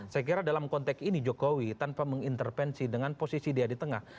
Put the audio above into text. saya kira dalam konteks ini jokowi tanpa mengintervensi dengan posisi dia di tengah